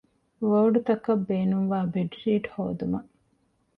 ވޯޑްތަކަށް ބޭނުންވާ ބެޑްޝީޓް ހޯދުމަށް